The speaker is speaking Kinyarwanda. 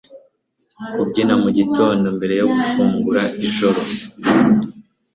kubyina mugitondo mbere yo gufungura ijoro